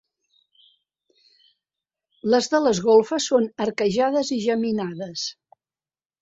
Les de les golfes són arquejades i geminades.